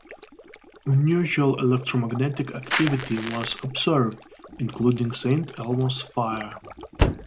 Unusual electromagnetic activity was observed, including Saint Elmo's fire.